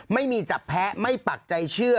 ไม่มีจับแพ้ไม่ปักใจเชื่อ